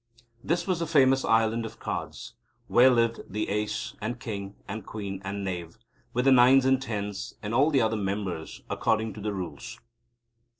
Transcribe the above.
This was the famous Island of Cards, where lived the Ace and King and Queen and Knave, with the Nines and Tens and all the other Members according to the Rules.